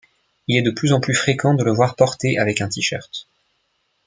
Il est de plus en plus fréquent de le voir porté avec un T-shirt.